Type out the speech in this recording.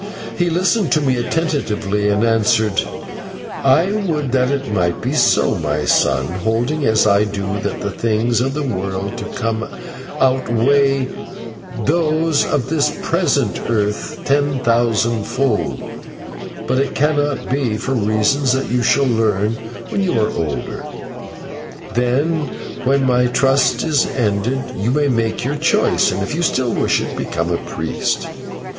He listened to me attentively, and answered; "I would that it might be so, my son, holding as I do that the things of the world to come outweigh those of this present earth ten thousandfold, but it cannot be, for reasons that you shall learn when you are older. Then, when my trust is ended, you may make your choice, and, if you still wish it, become a priest."